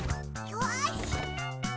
よし！